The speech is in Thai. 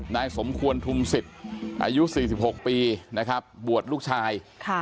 นายสมควรทุมศิษย์อายุ๔๖ปีนะครับบวชลูกชาย